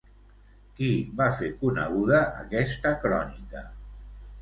Qui va fer coneguda aquesta crònica?